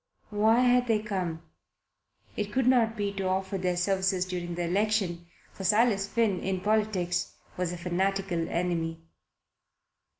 Why had they come? It could not be to offer their services during the election, for Silas Finn in politics was a fanatical enemy.